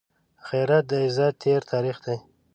غیرت د عزت تېر تاریخ دی